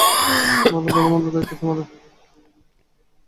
আর ভাল-মন্দ সব-কিছুরই দায়িত্ব তোমার।